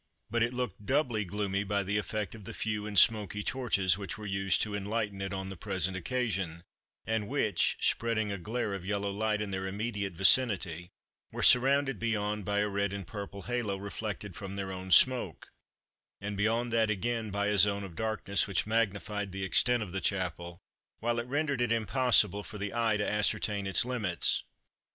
But it looked doubly gloomy by the effect of the few and smoky torches which were used to enlighten it on the present occasion, and which, spreading a glare of yellow light in their immediate vicinity, were surrounded beyond by a red and purple halo reflected from their own smoke, and beyond that again by a zone of darkness which magnified the extent of the chapel, while it rendered it impossible for the eye to ascertain its limits.